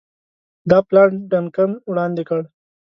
دا پلان ډنکن وړاندي کړ.